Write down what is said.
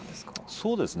そうですね。